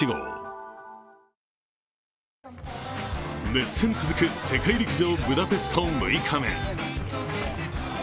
熱戦続く、世界陸上ブダペスト６日目。